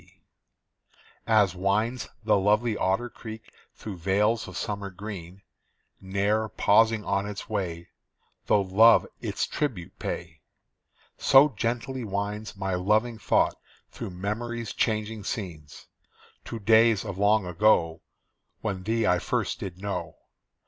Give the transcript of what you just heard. C. As winds the lovely Otter Creek through vales of summer green, Ne'er pausing on its way, Though love its tribute pay, So gently winds my loving thought through memory's changing scenes, To days of long ago When thee I first did know.